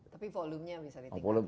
tapi volume nya bisa ditingkatkan